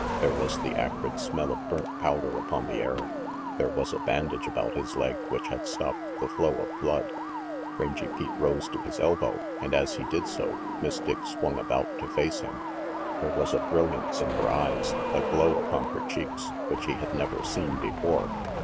There was the acrid smell of burnt powder upon the air there was a bandage about his leg which had stopped the flow of blood. Rangy Pete rose to his elbow, and as he did so, Miss Dick swung about to face him. There was a brilliance in her eyes, a glow upon her cheeks, which he had never seen before.